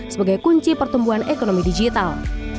sebagai kunci pertumbuhan ekonomi digital